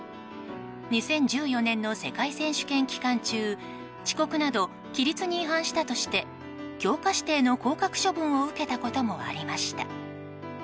２０１４年の世界選手権期間中遅刻など規律に違反したとして強化指定の降格処分を受けたこともありました。